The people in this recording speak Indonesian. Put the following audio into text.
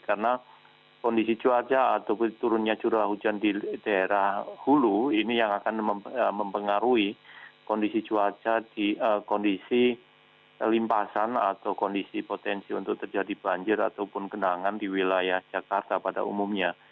karena kondisi cuaca atau turunnya curah hujan di daerah hulu ini yang akan mempengaruhi kondisi cuaca di kondisi limpasan atau kondisi potensi untuk terjadi banjir ataupun kenangan di wilayah jakarta pada umumnya